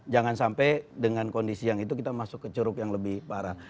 jangan sampai dengan kondisi yang itu kita masuk ke curug yang lebih parah